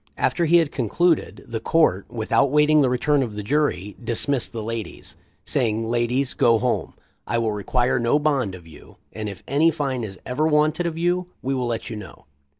After he had concluded, the Court, without awaiting the return of the jury, dismissed the ladies, saying: "Ladies, go home. I will require no bond of you, and if any fine is ever wanted of you, we will let you know."